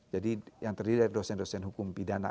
jadi yang terdiri dari dosen dosen hukum pidana